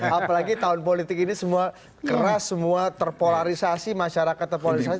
apalagi tahun politik ini semua keras semua terpolarisasi masyarakat terpolarisasi